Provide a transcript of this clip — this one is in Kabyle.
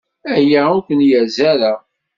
Aya ur ken-yerzi ara.